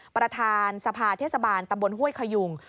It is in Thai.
ประธานสภาเทศบาลตำบลห้วยขยุง